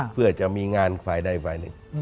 เพื่อจะมีงานฝ่ายใดฝ่ายหนึ่ง